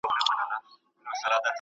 د عمر زیاتوالی د غوړو ټولیدو سبب کېږي.